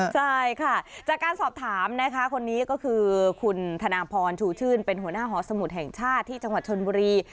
ใช่ค่ะจากการสอบถามนะคะคนนี้ก็คือคุณธนาพรชูชื่นเป็นหัวหน้าหอสมุทรแห่งชาติที่จังหวัดชนบุรี